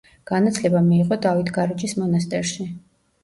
განათლება მიიღო დავითგარეჯის მონასტერში.